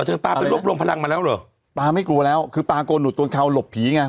เธอปลาไปรวบรวมพลังมาแล้วเหรอปลาไม่กลัวแล้วคือปลาโกนหุดตัวเขาหลบผีไง